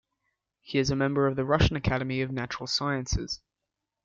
He is a member of the Russian Academy of Natural Sciences.